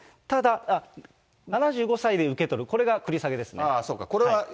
ただ、７５歳で受け取る、これが繰り下げですね。